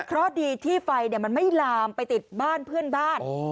เพราะดีที่ไฟมันไม่ลามไปติดบ้านเพื่อนบ้าน